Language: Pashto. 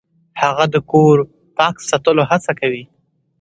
هغه د کور پاک ساتلو هڅه کوي.